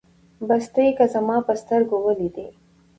بس ته يې که زما په سترګو وليدې